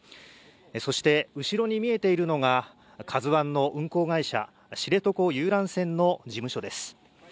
そして後ろに見えているのが、カズワンの運航会社、知床遊覧船の事務所です。